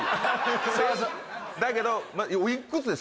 だけど。